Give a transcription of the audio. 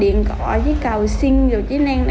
em mới điện